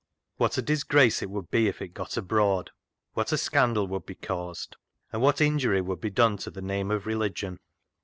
What a disgrace it would be if it got abroad. What a scandal would be caused, and what injury would be done to the name of religion